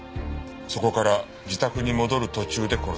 そこから自宅に戻る途中で殺された。